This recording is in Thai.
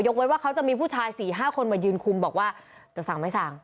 เว้นว่าเขาจะมีผู้ชาย๔๕คนมายืนคุมบอกว่าจะสั่งไม่สั่ง